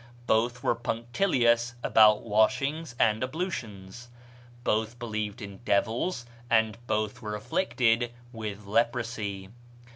Both were punctilious about washings and ablutions. Both believed in devils, and both were afflicted with leprosy.